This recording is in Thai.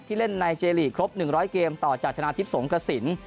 ที่เล่นในเจลลีครบ๑๐๐เกมต่อจากธนาทิศสงฆ์กระสิน